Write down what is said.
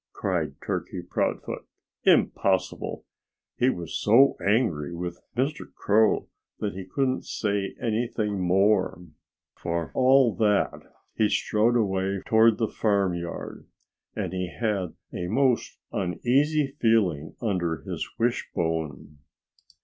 cried Turkey Proudfoot. "Impossible!" He was so angry with Mr. Crow that he couldn't say anything more. For all that, he strode away towards the farmyard. And he had a most uneasy feeling under his wishbone.